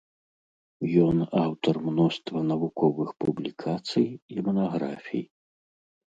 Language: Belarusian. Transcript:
Ён аўтар мноства навуковых публікацый і манаграфій.